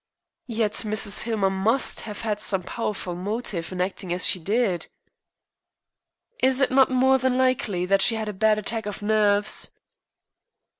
"Yet Mrs. Hillmer must have had some powerful motive in acting as she did." "Is it not more than likely that she had a bad attack of nerves?"